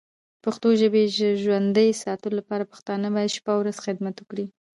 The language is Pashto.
پښتو ژبی ژوندی ساتلو لپاره پښتانه باید شپه او ورځ خدمت وکړې.